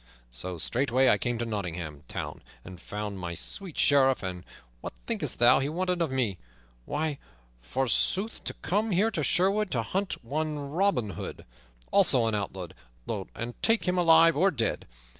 So straightway I came to Nottingham Town and found my sweet Sheriff; and what thinkest thou he wanted of me? Why, forsooth, to come here to Sherwood to hunt up one Robin Hood, also an outlaw, and to take him alive or dead.